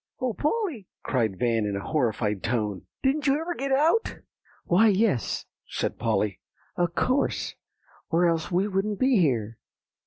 "O Polly!" cried Van in a horrified tone; "didn't you ever get out?" "Why, yes," said Polly; "of course, or else we wouldn't be here.